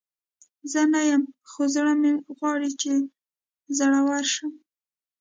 زه نه یم، خو زړه مې غواړي چې زړوره شم.